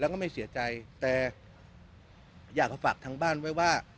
แล้วก็ไม่เสียใจแต่อยากจะฝากทางบ้านไว้ว่า